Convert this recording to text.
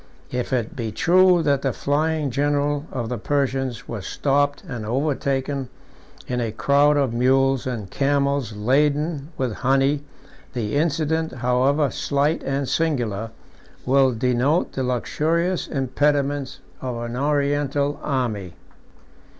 If it be true that the flying general of the Persians was stopped and overtaken in a crowd of mules and camels laden with honey, the incident, however slight and singular, will denote the luxurious impediments of an Oriental army.